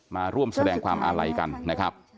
มาร่วมแสดงความอาลัยกันนะครับ